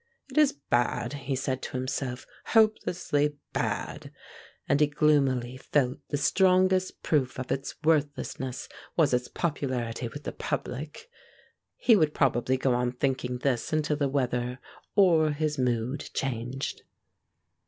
"It is bad," he said to himself, "hopelessly bad," and he gloomily felt the strongest proof of its worthlessness was its popularity with the public. He would probably go on thinking this until the weather or his mood changed.